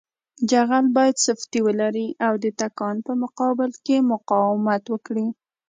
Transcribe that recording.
جغل باید سفتي ولري او د تکان په مقابل کې مقاومت وکړي